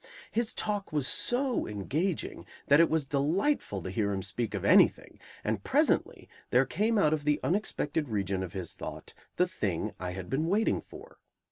His talk was so engaging that it was delightful to hear him speak of anything, and presently there came out of the unexpected region of his thought the thing I had been waiting for.